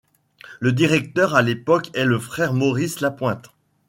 Le directeur à l'époque est le Frère Maurice Lapointe.